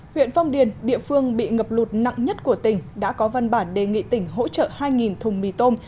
huyện phong điền địa phương bị ngập lụt nặng nhất của tỉnh đã có văn bản đề nghị tỉnh hỗ trợ hai thùng mì tôm